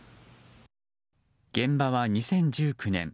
現場は２０１９年